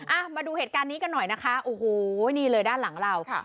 อ่ะมาดูเหตุการณ์นี้กันหน่อยนะคะโอ้โหนี่เลยด้านหลังเราค่ะ